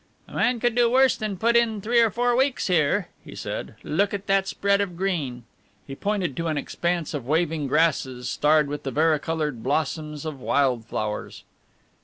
"A man could do worse than put in three or four weeks here," he said. "Look at that spread of green." He pointed to an expanse of waving grasses, starred with the vari coloured blossoms of wild flowers.